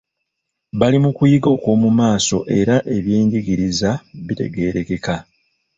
Bali mu kuyiga okw'omu maaso era ebyenjigiriza bitegeerekeka.